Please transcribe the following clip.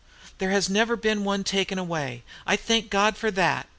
There has never been one taken away: I thank God for that.